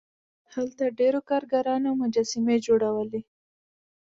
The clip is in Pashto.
هلته ډیرو کارګرانو مجسمې جوړولې.